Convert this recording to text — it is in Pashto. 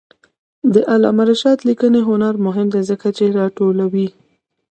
د علامه رشاد لیکنی هنر مهم دی ځکه چې راټولوي.